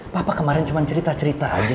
papa kemaren cuma cerita cerita aja sama dia